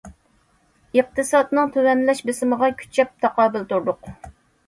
ئىقتىسادنىڭ تۆۋەنلەش بېسىمىغا كۈچەپ تاقابىل تۇردۇق.